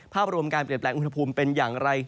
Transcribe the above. ภาพรวมการเปลี่ยนแปลงอุณหภูมิเป็นอย่างไร